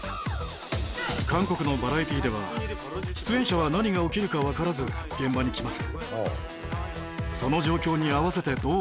韓国のバラエティでは出演者は何が起きるかわからず現場に来ます。